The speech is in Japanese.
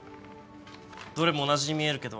どれも同じに見えるけど。